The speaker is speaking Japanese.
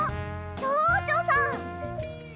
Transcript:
ちょうちょさん！